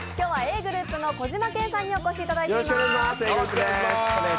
Ｇｒｏｕｐの小島健さんにお越しいただいています。